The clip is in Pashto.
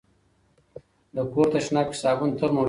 د کور تشناب کې صابون تل موجود وي.